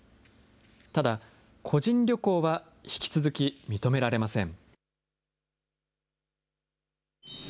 ただ、個人旅行は引き続き認められません。